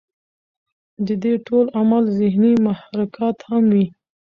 د دې ټول عمل ذهني محرکات هم وي